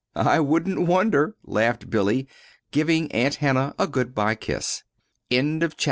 "I wouldn't wonder," laughed Billy, giving Aunt Hannah a good by kiss. CHAPTER XIII.